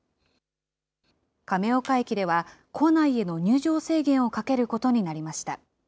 亀岡駅では構内への入場制限をかけることになりました。